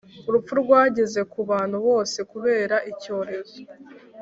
Urupfu rwageze ku bantu bose kubera icyorezo